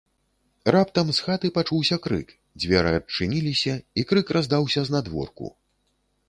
Раптам з хаты пачуўся крык, дзверы адчыніліся, і крык раздаўся знадворку.